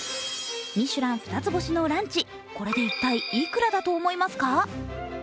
ミシュラン二つ星のランチ、これで一体いくらだと思いますか？